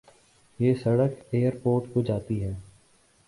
یہ سڑک airport کو جاتی ہے